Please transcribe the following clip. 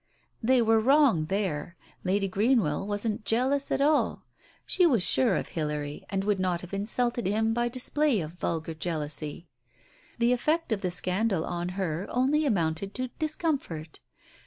They were wrong there, Lady Greenwell wasn't jealous at aH. She was sure of Hilary, and would not have insulted him by display of vulgar jealousy. The effect of the scandal on her only amounted to discomfort.